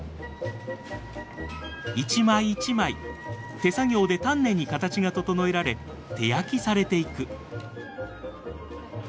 一枚一枚手作業で丹念に形が整えられ手焼きされていく。